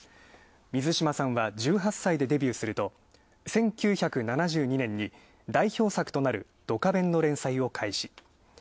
水島さんは１８歳でデビューすると１９７２年に代表作となる、「ドカベン」の連載を開始。